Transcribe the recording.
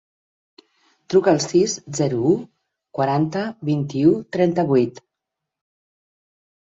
Truca al sis, zero, u, quaranta, vint-i-u, trenta-vuit.